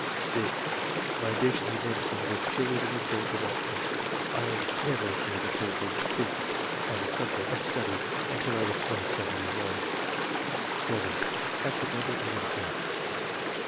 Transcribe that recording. (6) My addiction to medicine was purely the result of accident : I never gave a thought to physic aa a subject of study, until I was 27 years old. (7) Accidental to medicine.